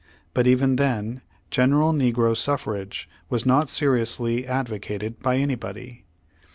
But even then, general negro suffrage was not seriously advocated by anybody.